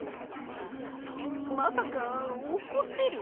ううまさかおこってる？